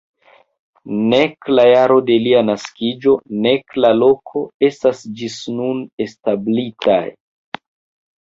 Nek la jaro de lia naskiĝo, nek la loko estas ĝis nun establitaj.